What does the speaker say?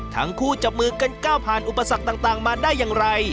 จับมือกันก้าวผ่านอุปสรรคต่างมาได้อย่างไร